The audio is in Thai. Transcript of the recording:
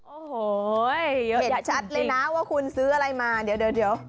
โอ้โห้ยยกยังชัดเลยนะว่าคุณซื้ออะไรมาเดี๋ยวเดี๋ยว